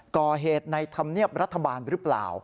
ก่อเหตุในธรรมเนียบรัฐบาลหรือเปล่า